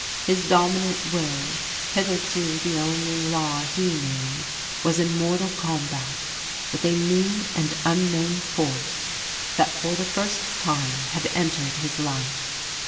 His dominant will, hitherto the only law he knew, was in mortal combat with a new and unknown force that for the first time had entered his life.